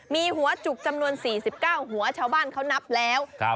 มีหัวจุกจำนวนสี่สิบเก้าหัวชาวบ้านเขานับแล้วครับ